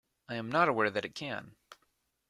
I am not aware that it can.